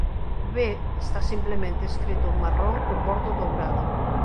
O B está simplemente escrito en marrón cun bordo dourado.